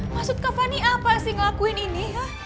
maksud kak fani apa sih ngelakuin ini